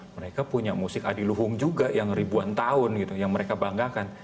mereka punya musik adi luhung juga yang ribuan tahun gitu yang mereka banggakan